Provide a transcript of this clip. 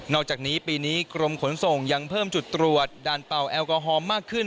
อกจากนี้ปีนี้กรมขนส่งยังเพิ่มจุดตรวจด่านเป่าแอลกอฮอล์มากขึ้น